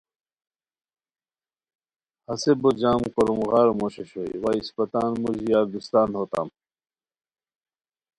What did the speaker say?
ہسے بو جم کوروم غار موش اوشوئے وا اِسپہ تان موژی یار دوستان ہوتام